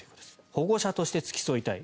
保護者として付き添いたい。